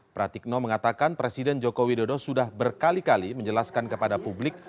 pratikno mengatakan presiden joko widodo sudah berkali kali menjelaskan kepada publik